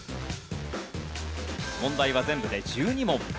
問題は全部で１２問。